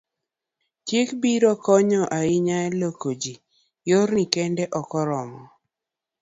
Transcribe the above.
chik biro konyo ahinya loko ji, yorni kende ok oromo